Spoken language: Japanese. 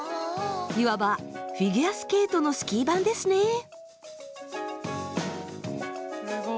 いわばフィギュアスケートのスキー版ですね。